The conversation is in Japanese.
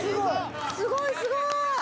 すごいすごい！